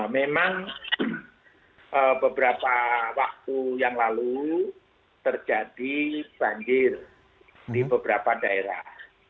memang beberapa waktu yang lalu terjadi banjir di beberapa daerah